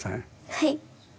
はい。